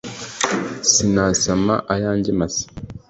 Sinasama ayanjye masa